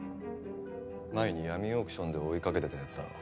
前に闇オークションで追いかけてたやつだろ